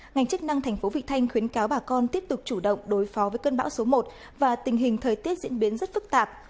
ngành chức năng thành phố vị thanh khuyến cáo bà con tiếp tục chủ động đối phó với cơn bão số một và tình hình thời tiết diễn biến rất phức tạp